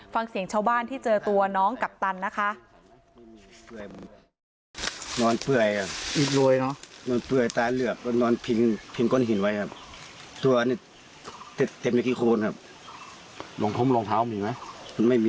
ฟังเสียงชาวบ้านที่เจอตัวน้องกัปตันนะคะ